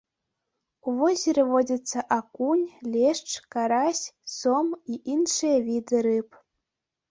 У возеры водзяцца акунь, лешч, карась, сом і іншыя віды рыб.